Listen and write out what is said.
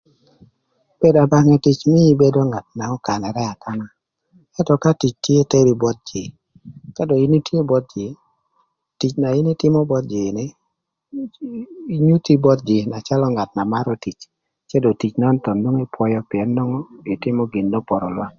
Bedo abonge tic mïö ibedo ngat n'ökanërë akana ëntö ka tic tye teri both jïï. Ka dong in itye both jïï, tic na in ïtïmö both jïï ni nyuthi both jïï na calö ngat na marö tic cë dong tic nön thon nwongo ïpwöyö pïën nwongo ïtïmö gin n'oporo lwak.